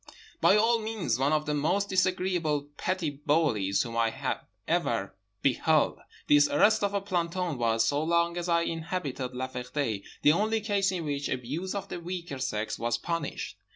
By all means one of the most disagreeable petty bullies whom I ever beheld. This arrest of a planton was, so long as I inhabited La Ferté, the only case in which abuse of the weaker sex was punished.